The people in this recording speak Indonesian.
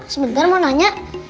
sebentar mau nanya